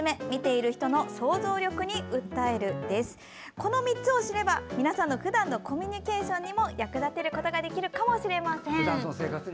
この３つを知れば、皆さんのふだんのコミュニケーションにも役立てることができるかもしれません。